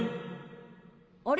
あれ？